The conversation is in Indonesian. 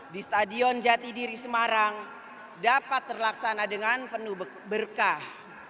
di stadion jatidiri semarang dapat terlaksana dengan penuh berkah